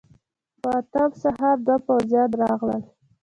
په اتم سهار دوه پوځيان راغلل.